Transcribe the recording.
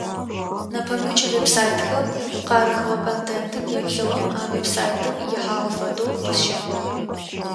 Нэпэмыкӏ веб-сайтхэм къарыхыгъэ контентым еплъыгъэм а веб-сайтым ихьагъэ фэдэу къызщегъэхъу.